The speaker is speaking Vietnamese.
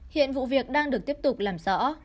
hiện vụ việc đang được tiếp tục làm rõ